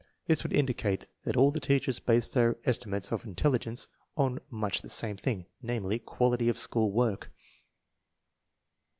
This would indicate that all the teachers based their estimates of intelligence on much the same thing, namely, quality of school work.